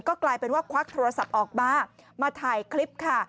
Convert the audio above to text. ก็กลายเป็นว่าควักโทรศัพท์ออกมามาถ่ายคลิปค่ะ